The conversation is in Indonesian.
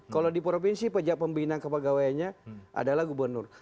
kalau di provinsi pejabat pembinaan kapal gawainya adalah gubernur